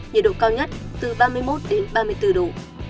nhiệt độ cao nhất từ ba mươi một đến ba mươi bốn độ